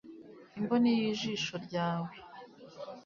imboni y ijisho ryawe